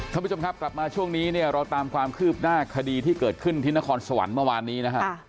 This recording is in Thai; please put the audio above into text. ท่านผู้ชมครับกลับมาช่วงนี้เนี่ยเราตามความคืบหน้าคดีที่เกิดขึ้นที่นครสวรรค์เมื่อวานนี้นะฮะ